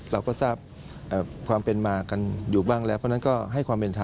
เราก็ทราบความเป็นมากันอยู่บ้างแล้วเพราะฉะนั้นก็ให้ความเป็นธรรม